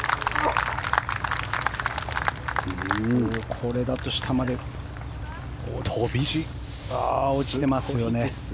これだと下まで落ちてますよね。